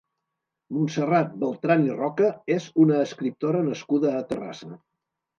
Montserrat Beltran i Roca és una escriptora nascuda a Terrassa.